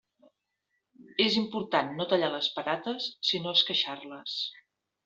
És important no tallar les patates sinó esqueixar-les.